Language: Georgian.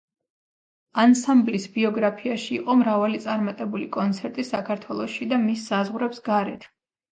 ანსამბლის ბიოგრაფიაში იყო მრავალი წარმატებული კონცერტი საქართველოში და მის საზღვრებს გარეთ.